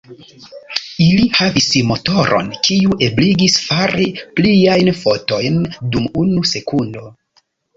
Ili havis motoron, kiu ebligis fari pliajn fotojn dum unu sekundo.